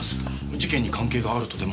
事件に関係があるとでも？